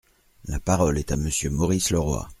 La parole est à Monsieur Maurice Leroy.